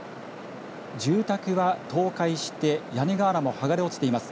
住宅は倒壊して屋根瓦も剥がれ落ちています。